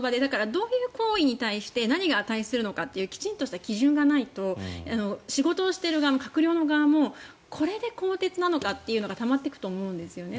どういう行為に対して何が値するのかきちんとした基準がないと仕事をしている側も閣僚の側もこれで更迭なのかというのがたまっていくと思うんですね。